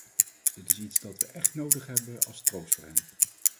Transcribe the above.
Dit is iets dat we echt nodig hebben als troost voor hen.